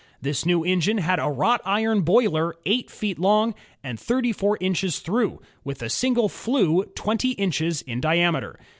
This new engine had a wrought iron boiler eight feet long and thirty four inches through, with a single flue twenty inches in diameter.